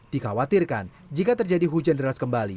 dikhawatirkan jika terjadi hujan deras kembali